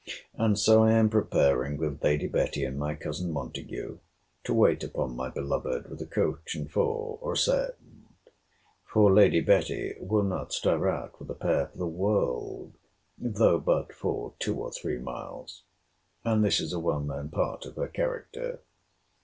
And so I am preparing, with Lady Betty and my cousin Montague, to wait upon my beloved with a coach and four, or a sett; for Lady Betty will not stir out with a pair for the world; though but for two or three miles. And this is a well known part of her character.